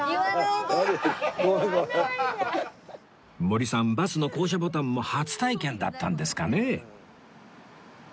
森さんバスの降車ボタンも初体験だったんですかね